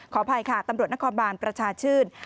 อภัยค่ะตำรวจนครบานประชาชื่น